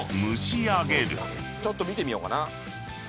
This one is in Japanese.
ちょっと見てみようかな。